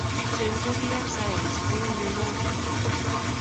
Chengsei bikap sayans, beku mianwokik